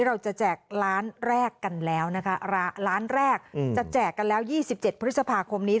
เราจะแจกร้านแรกกันแล้วนะคะร้านแรกอืมจะแจกกันแล้วยี่สิบเจ็ดพฤษภาคมนี้